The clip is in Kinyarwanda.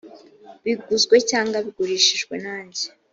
biguzwe cyangwa bigurishijwe nanjye